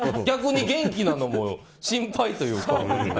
逆に元気なのも心配というか。